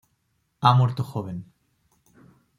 Ha muerto joven.